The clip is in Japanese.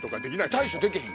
対処できへん。